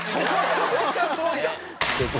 おっしゃるとおりだ。